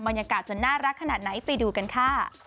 บรรยากาศจะน่ารักขนาดไหนไปดูกันค่ะ